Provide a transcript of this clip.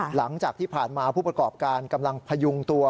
หลังจากที่ผ่านมาผู้ประกอบการกำลังพยุงตัว